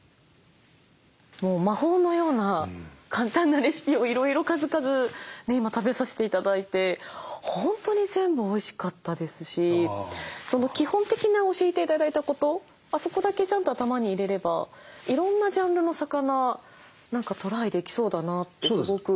魔法のような簡単なレシピをいろいろ数々食べさせて頂いて本当に全部おいしかったですし基本的な教えて頂いたことあそこだけちゃんと頭に入れればいろんなジャンルの魚何かトライできそうだなってすごく。